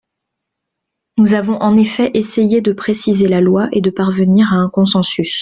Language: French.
Nous avons en effet essayé de préciser la loi et de parvenir à un consensus.